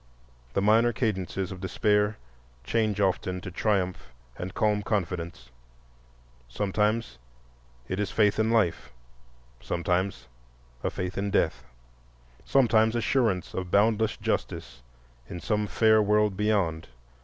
The minor cadences of despair change often to triumph and calm confidence. Sometimes it is faith in life, sometimes a faith in death, sometimes assurance of boundless justice in some fair world beyond.